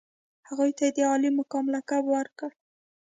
هغوی ته یې د عالي مقام لقب ورکړ.